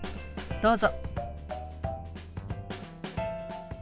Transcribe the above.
どうぞ。